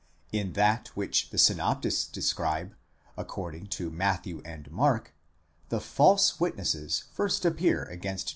In that which the synoptists describe, according to Matthew and Mark, the false witnesses first appear against.